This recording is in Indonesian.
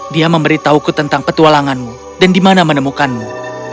dia memberitahuku tentang petualanganmu dan dimana menemukanmu